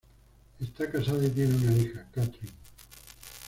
Está casada y tiene una hija, Kathryn.